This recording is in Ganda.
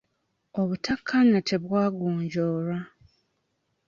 Obuttakaanya tebwagonjoolwa.